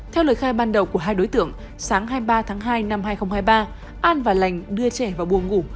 theo lời khai ban đầu của hai đối tượng sáng hai mươi ba tháng hai năm hai nghìn hai mươi ba an và lành đưa trẻ vào buồng ngủ